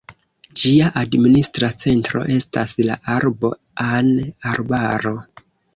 Ĝia administra centro estas la urbo An-Arbaro.